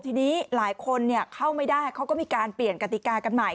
ทีนี้หลายคนเข้าไม่ได้เขาก็มีการเปลี่ยนกติกากันใหม่